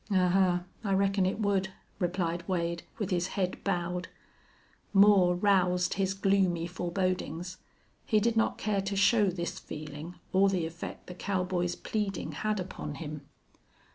"Ahuh! I reckon it would," replied Wade, with his head bowed. Moore roused his gloomy forebodings. He did not care to show this feeling or the effect the cowboy's pleading had upon him.